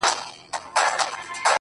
یم په واړه جنتو کي